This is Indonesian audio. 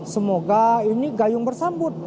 semoga ini gayung bersambut